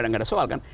gak ada soal kan